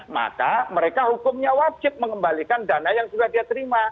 maka mereka hukumnya wajib mengembalikan dana yang sudah dia terima